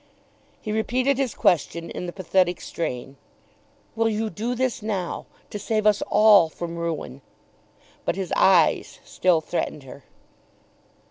He repeated his question in the pathetic strain. "Will you do this now, to save us all from ruin?" But his eyes still threatened her.